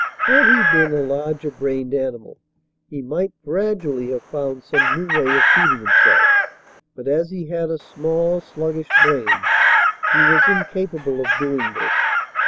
Had he been a larger brained animal, he might 106 MIGHTY ANIMALS gradually have found some new way of feeding him self. But, as he had a small sluggish brain, he was incapable of doing this.